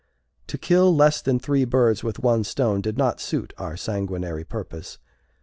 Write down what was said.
To kill less than three birds with one stone did not suit our sanguinary purpose.